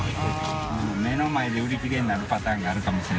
Δ目の前で売り切れになるパターンがあるかもしれん。